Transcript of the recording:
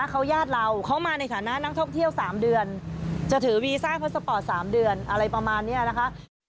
เขาญาติเราเขามาในฐานะนักท่องเที่ยว๓เดือนจะถือวีซ่าพสปอร์ต๓เดือนอะไรประมาณนี้นะคะ